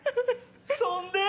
そんで。